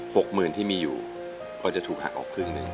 หกหมื่นที่มีอยู่พอจะถูกหักออกครึ่งหนึ่ง